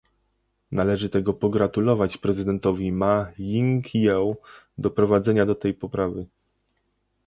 Należy tego pogratulować prezydentowi Ma Ying-jeou doprowadzenia do tej poprawy